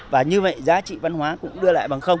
và như vậy giá trị văn hóa cũng đưa lại bằng không